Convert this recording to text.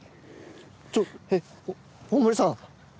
ちょっえ大森さん